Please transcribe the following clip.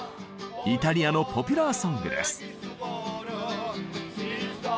イタリアのポピュラーソングです。